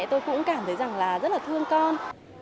tôi cũng cảm thấy rất là thương con